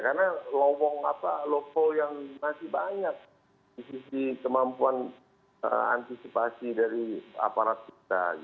karena lowong apa lowong yang masih banyak di sisi kemampuan antisipasi dari aparat kita